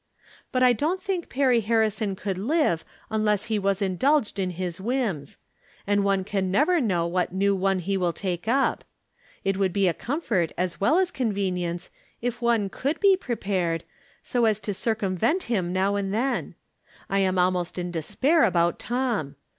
But I don't think Perry Har rison could live unless he was indulged in his whims ; and one can never know what new one he will take up: It would be a comfort as well as convenience if one could be prepared, so as to circumvent him now and then. I am almost in despair about Tom.